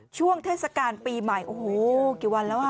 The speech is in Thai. ช่วงเทศกาลปีใหม่โอ้โหกี่วันแล้วอ่ะ